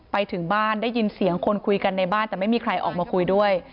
ไปถึงบ้านได้ยินเสียงคนคุยกันในบ้านแต่ไม่มีใครออกมาคุยด้วย